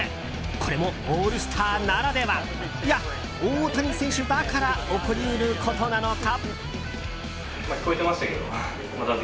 これもオールスターならではいや、大谷選手だから起こり得ることなのか。